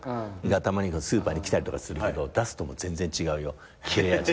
たまにスーパーに来たりするけど出すと全然違うよ切れ味。